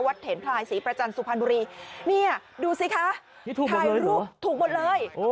เถนพลายศรีประจันทร์สุพรรณบุรีเนี่ยดูสิคะถ่ายรูปถูกหมดเลย